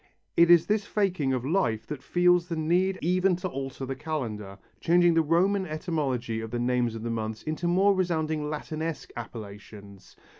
It is this faking of life that feels the need even to alter the calendar, changing the Roman etymology of the names of the months into more resounding Latinesque appellations.